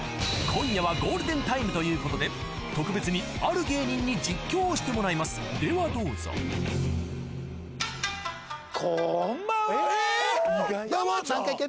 今夜はゴールデンタイムということで特別にある芸人に実況をしてもらいますではどうぞこんばんは！